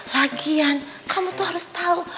lagian kamu tuh harus tahu